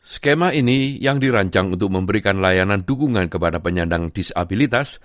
skema ini yang dirancang untuk memberikan layanan dukungan kepada penyandang disabilitas